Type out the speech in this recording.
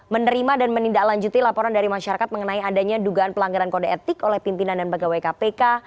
menerima dan menindaklanjuti laporan dari masyarakat mengenai adanya dugaan pelanggaran kode etik oleh pimpinan dan pegawai kpk